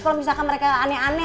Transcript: kalau misalkan mereka aneh aneh